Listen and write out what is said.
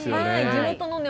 地元のね